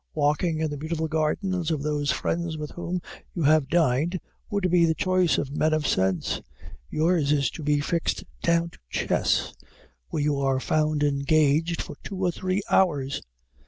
Walking in the beautiful gardens of those friends with whom you have dined would be the choice of men of sense; yours is to be fixed down to chess, where you are found engaged for two or three hours!